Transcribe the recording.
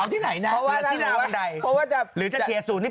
หลายหลังทีราบวันใด